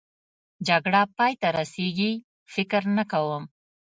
جګړه پای ته رسېږي؟ فکر نه کوم.